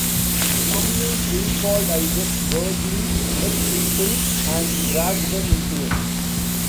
Cummings recalled, I just vaguely met people and dragged them into it.